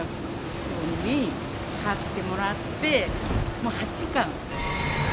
君に勝ってもらって、もう八冠。